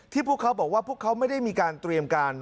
พวกเขาบอกว่าพวกเขาไม่ได้มีการเตรียมการ